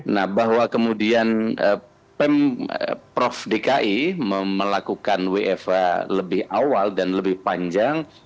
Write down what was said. nah bahwa kemudian prof dki melakukan wfh lebih awal dan lebih panjang